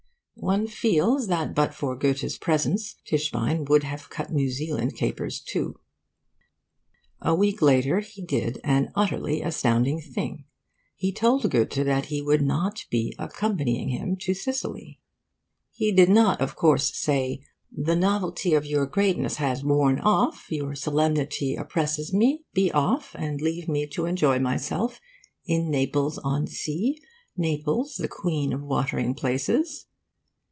One feels that but for Goethe's presence Tischbein would have cut New Zealand capers too. A week later he did an utterly astounding thing. He told Goethe that he would not be accompanying him to Sicily. He did not, of course, say 'The novelty of your greatness has worn off. Your solemnity oppresses me. Be off, and leave me to enjoy myself in Naples on Sea Naples, the Queen of Watering Places!